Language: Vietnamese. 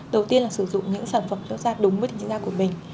đầu tiên là sử dụng những sản phẩm cho da đúng với tình trạng da của mình